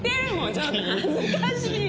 ちょっと恥ずかしい！